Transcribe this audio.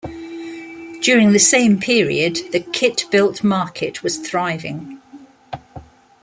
During the same period the kit-built market was thriving.